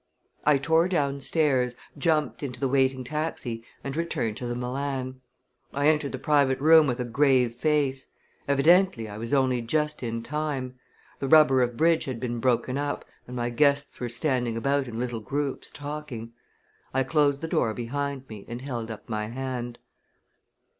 I tore downstairs, jumped into the waiting taxi and returned to the Milan. I entered the private room with a grave face. Evidently I was only just in time. The rubber of bridge had been broken up and my guests were standing about in little groups talking. I closed the door behind me and held up my hand.